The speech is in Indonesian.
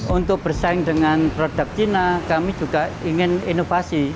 untuk bersaing dengan produk cina kami juga ingin inovasi